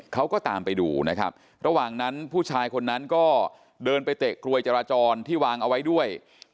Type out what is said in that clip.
เขาก็ตามไปดูนะครับระหว่างนั้นผู้ชายคนนั้นก็เดินไปเตะกรวยจราจรที่วางเอาไว้ด้วย